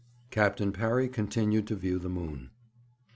Captain Parry continued to view the moon.